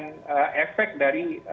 sebetulnya bagian efek dari